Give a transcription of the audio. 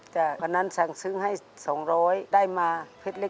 วันนั้นสั่งซื้อให้๒๐๐ได้มาเพชรเล็ก